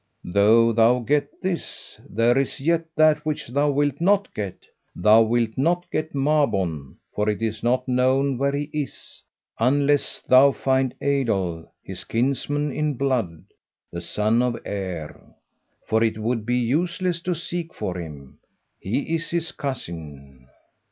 "Though thou get this, there is yet that which thou wilt not get. Thou wilt not get Mabon, for it is not known where he is, unless thou find Eidoel, his kinsman in blood, the son of Aer. For it would be useless to seek for him. He is his cousin."